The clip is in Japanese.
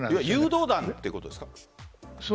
誘導弾ということですか？